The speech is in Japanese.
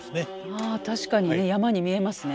あ確かに山に見えますね。